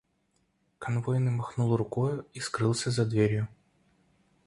— Конвойный махнул рукою и скрылся за дверью.